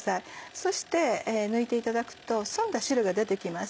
そして抜いていただくと澄んだ汁が出て来ます。